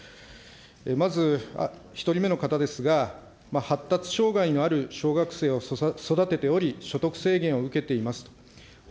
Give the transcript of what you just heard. まず１人目の方ですが、発達障害のある小学生を育てており、所得制限を受けていますと。